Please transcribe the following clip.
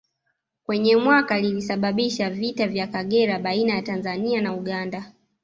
Kwenye mwaka lilisababisha vita ya Kagera baina ya Tanzania na Uganda